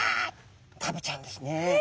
食べちゃうんですね。